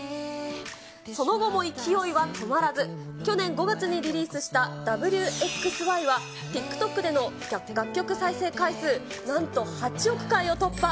その後も勢いは止まらず、去年５月にリリースしたＷ／Ｘ／ＹはＴｉｋＴｏｋでの楽曲再生回数なんと８億回を突破。